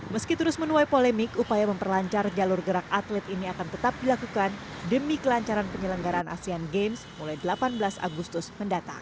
meski terus menuai polemik upaya memperlancar jalur gerak atlet ini akan tetap dilakukan demi kelancaran penyelenggaran asean games mulai delapan belas agustus mendatang